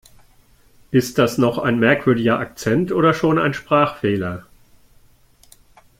Ist das noch ein merkwürdiger Akzent oder schon ein Sprachfehler?